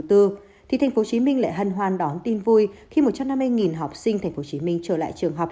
thì tp hcm lại hân hoan đón tin vui khi một trăm năm mươi học sinh tp hcm trở lại trường học